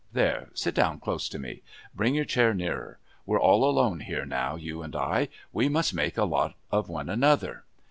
There. Sit down close to me. Bring your chair nearer. We're all alone here now, you and I. We must make a lot of one another."